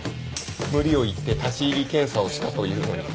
無理を言って立入検査をしたというのに。